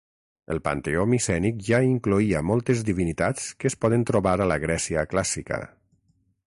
El panteó micènic ja incloïa moltes divinitats que es poden trobar a la Grècia clàssica.